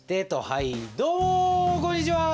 はい。